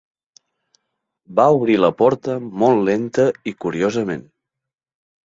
Va obrir la porta molt lenta i curosament.